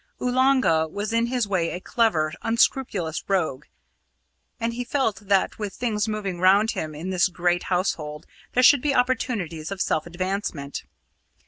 Oolanga was in his way a clever, unscrupulous rogue, and he felt that with things moving round him in this great household there should be opportunities of self advancement.